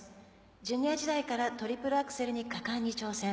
ジュニア時代からトリプルアクセルに果敢に挑戦。